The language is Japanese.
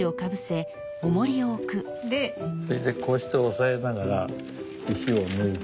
手でこうして押さえながら石を抜いて。